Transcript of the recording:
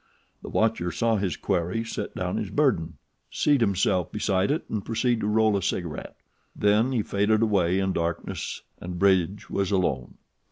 The watcher saw his quarry set down his burden, seat himself beside it and proceed to roll a cigaret; then he faded away in the darkness and Bridge was alone.